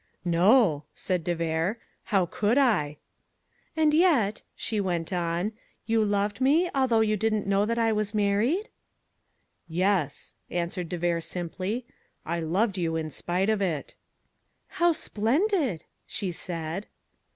"No," said de Vere; "how could I?" "And yet," she went on, "you loved me, although you didn't know that I was married?" "Yes," answered de Vere simply. "I loved you, in spite of it." "How splendid!" she said.